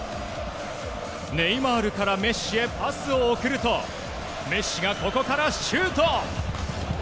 ネイマールからメッシへパスを送るとメッシがここからシュート！